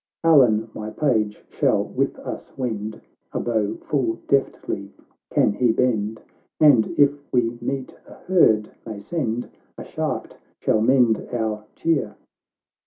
Allan, my Page, shall with us wend ; A bow full deftly can he bend, And, if we meet a herd, may send A shaft shall mend our cheer."